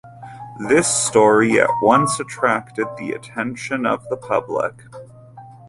This story at once attracted the attention of the public.